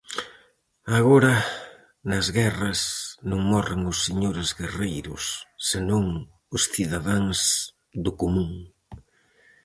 Agora nas guerras non morren os señores guerreiros senón os cidadáns do común.